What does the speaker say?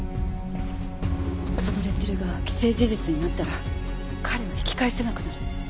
そのレッテルが既成事実になったら彼は引き返せなくなる。